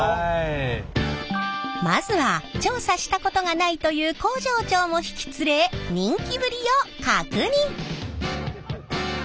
まずは調査したことがないという工場長も引き連れ人気ぶりを確認！